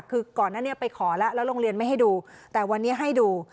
คือก่อนนั้นเนี่ยไปขอแล้วแล้วโรงเรียนไม่ให้ดูแต่วันนี้ให้ดู